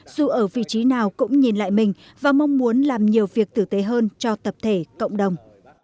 dù ở vị trí nào cũng nhìn lại mình và mong muốn làm nhiều việc tử tế hơn cho tập thể cộng đồng